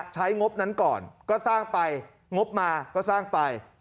งบนั้นก่อนก็สร้างไปงบมาก็สร้างไป